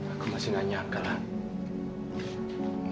aku masih nganyak kak